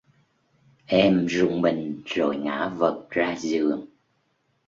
Em rùng mình rồi Ngã vật ra giường